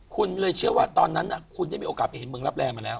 คุณเลยเชื่อว่าตอนนั้นคุณได้มีโอกาสไปเห็นเมืองรับแร่มาแล้ว